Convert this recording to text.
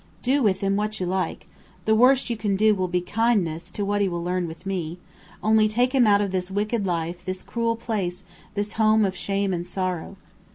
Do with him what you like. The worst you can do will be kindness to what he will learn with me. Only take him out of this wicked life, this cruel place, this home of shame and sorrow.